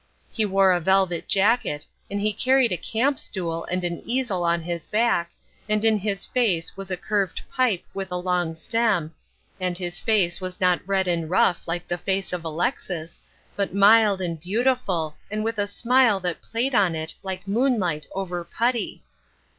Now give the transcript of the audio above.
He wore a velvet jacket and he carried a camp stool and an easel on his back, and in his face was a curved pipe with a long stem, and his face was not red and rough like the face of Alexis, but mild and beautiful and with a smile that played on it like moonlight over putty.